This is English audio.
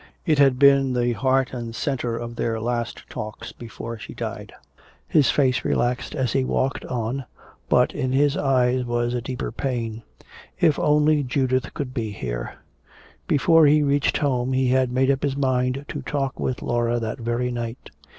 It had been the heart and center of their last talks before she died. His face relaxed as he walked on, but in his eyes was a deeper pain. If only Judith could be here. Before he reached home he had made up his mind to talk with Laura that very night.